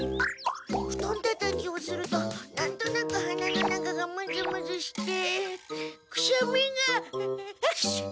ふとんたたきをするとなんとなく鼻の中がムズムズしてクシャミがハクション！